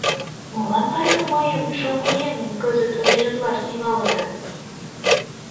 Молан вара мыйым, шоҥго еҥым, кызыт обижатлаш тӱҥалында?